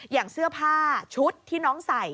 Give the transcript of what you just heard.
อย่างเสื้อผ้าชุดที่น้องใส่